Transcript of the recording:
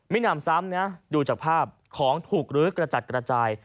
หนำซ้ำนะดูจากภาพของถูกลื้อกระจัดกระจาย